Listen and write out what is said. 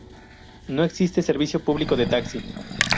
No existe servicio público de taxi.